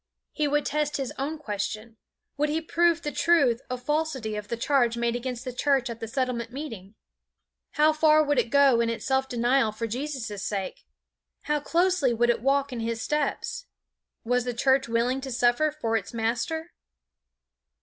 He would test his own question. He would prove the truth or falsity of the charge made against the church at the Settlement meeting. How far would it go in its self denial for Jesus' sake? How closely would it walk in His steps? Was the church willing to suffer for its Master?